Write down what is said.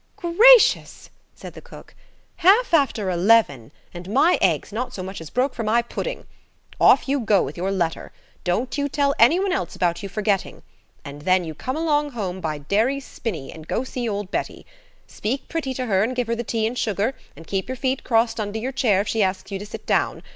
"Gracious!" said the cook. "Half after eleven, and my eggs not so much as broke for my pudding. Off you go with your letter. Don't you tell any one else about you forgetting. And then you come home along by Dering's Spinney–and go see old Betty. Speak pretty to her and give her the tea and sugar, and keep your feet crossed under your chair if she asks you to sit down.